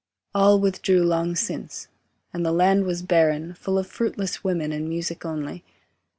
All withdrew long since, and the land was barren, Full of fruitless women and music only.